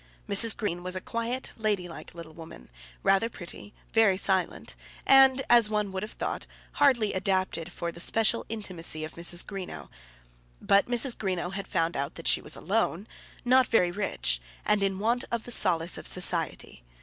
Mrs. Green was a quiet, ladylike little woman, rather pretty, very silent, and, as one would have thought, hardly adapted for the special intimacy of Mrs. Greenow. But Mrs. Greenow had found out that she was alone, not very rich, and in want of the solace of society.